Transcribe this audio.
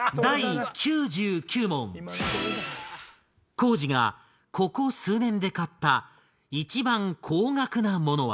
光司がここ数年で買った一番高額なものは？